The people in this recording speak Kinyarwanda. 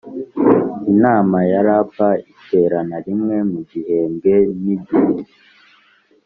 Inama ya rp iterana rimwe mu gihembwe n igihe